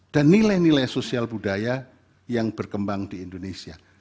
dan nilai nilai sosial budaya yang berkembang di indonesia